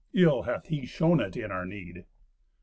Ill hath he shown it in our need."